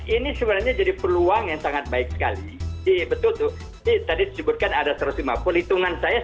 ini sebenarnya jadi peluang yang sangat baik sekali